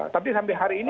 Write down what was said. tapi sampai hari ini